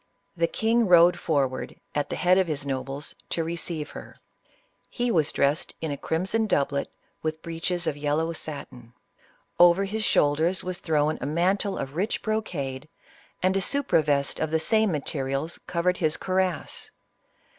The king rode forward, at the head of his nobles, to receive her. He was dressed in a crimson doublet, with breeches of yellow satin. Over his shoul ISABELLA OF CASTILE 99 ders was thrown a mantle of rich brocade, and a sou pravest of the same materials concealed his cuirass.